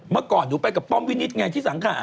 เมื่อก่อนหนูไปกับป้อมวินิตไงที่สังขา